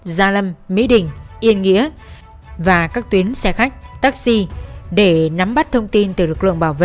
gia lâm mỹ đình yên nghĩa và các tuyến xe khách taxi để nắm bắt thông tin từ lực lượng bảo vệ